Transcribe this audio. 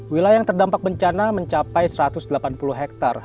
wilayah yang terdampak bencana mencapai satu ratus delapan puluh hektare